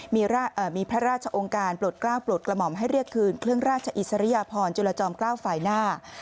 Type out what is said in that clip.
มีพระราชองค์การปลดกล้าวปลดกระหม่อมให้เรียกคืนเครื่องราชอิสริยพรจุลจอมเกล้าฝ่ายหน้า